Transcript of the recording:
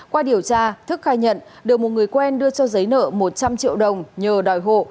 qua điều tra thức khai nhận được một người quen đưa cho giấy nợ một trăm linh triệu đồng nhờ đòi hộ